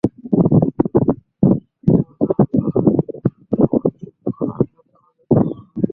অ্যাপটিতে মাঝেমধ্যেই পাসওয়ার্ড কিংবা ডুডলের মাধ্যমে ফোন আনলক করার জন্য বলা হয়।